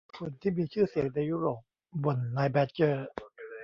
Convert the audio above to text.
คนที่มีชื่อเสียงในยุโรปบ่นนายแบดเจอร์